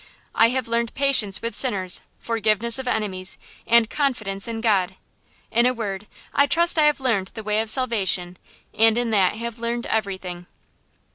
I have learned patience with sinners, forgiveness of enemies, and confidence in God. In a word, I trust I have learned the way of salvation, and in that have learned everything.